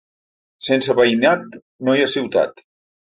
Sense veïnat no hi ha ciutat